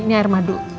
ini air madu